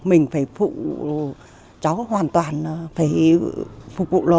mình phải phụ cháu hoàn toàn phải phục vụ nó